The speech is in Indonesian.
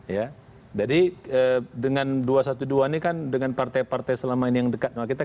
jadi dengan dua ratus dua belas ini kan dengan partai partai selama ini yang dekat dengan kita